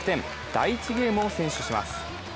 第１ゲームを先取します。